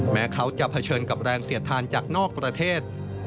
แม้เขาจะเผชิญกับแรงเสียดทานจากนอกประเทศ